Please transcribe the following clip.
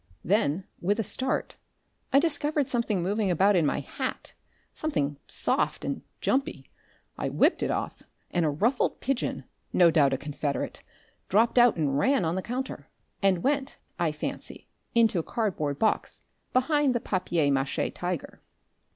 Then, with a start, I discovered something moving about in my hat something soft and jumpy. I whipped it off, and a ruffled pigeon no doubt a confederate dropped out and ran on the counter, and went, I fancy, into a cardboard box behind the papier mache tiger.